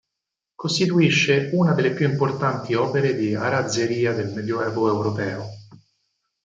Costituisce una delle più importanti opere di arazzeria del medioevo europeo.